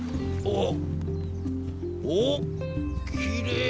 おお。おっきれい！